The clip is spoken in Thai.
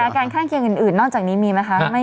แต่การค่ายเคียงอื่นนอกจากนี้มีไหมคะไม่มีอะไร